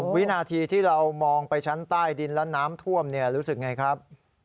วินาทีที่เรามองไปชั้นใต้ดินและน้ำท่วมรู้สึกไงครับ